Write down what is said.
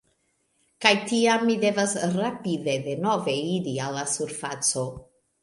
Kaj tiam mi devas rapide denove iri al la surfaco.